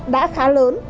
đã khá lớn